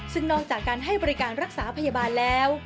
ซึ่งนอกจากการให้บริการรักษาพยาบาลแล้ว